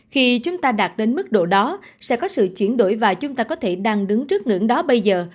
khi chúng ta đạt đến mức độ đó sẽ có sự chuyển đổi và chúng ta có thể đang đứng trước ngưỡng đó bây giờ